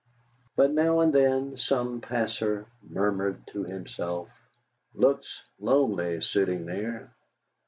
But now and then some passer murmured to himself: "Looks lonely sitting there."